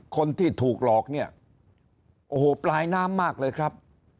คนที่ถูกหลอกเนี่ยโอ้โหปลายน้ำมากเลยครับ